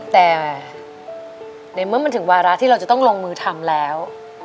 แต่ในเมื่อมันถึงวาระที่เราจะต้องลงมือทำแล้ว